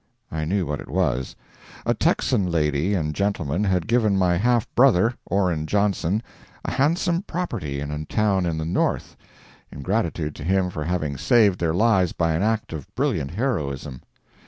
I knew what it was. A Texan lady and gentleman had given my half brother, Orrin Johnson, a handsome property in a town in the North, in gratitude to him for having saved their lives by an act of brilliant heroism.